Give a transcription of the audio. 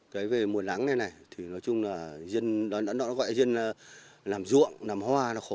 cái về mùa nắng này này thì nói chung là dân đã gọi dân làm ruộng làm hoa nó khổ